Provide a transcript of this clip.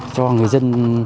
cho người dân